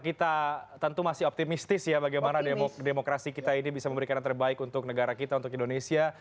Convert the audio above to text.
kita tentu masih optimistis ya bagaimana demokrasi kita ini bisa memberikan yang terbaik untuk negara kita untuk indonesia